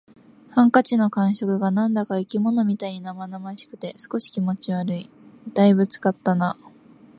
ハンカチの感触が何だか生き物みたいに生々しくて、少し気持ち悪い。「大分使ったな」